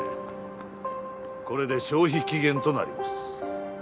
これで消費期限となります。